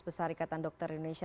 besar ikatan dokter indonesia